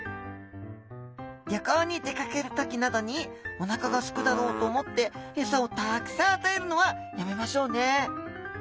旅行に出かける時などにおなかがすくだろうと思ってエサをたくさん与えるのはやめましょうね。